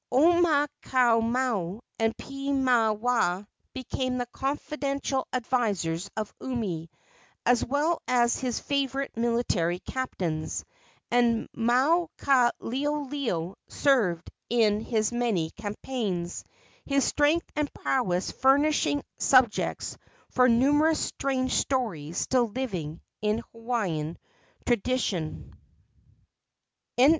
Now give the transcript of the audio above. Omaukamau and Piimaiwaa became the confidential advisers of Umi, as well as his favorite military captains, and Maukaleoleo served in his many campaigns, his strength and prowess furnishing subjects for numerous strange stories still living in Hawaiian tradition.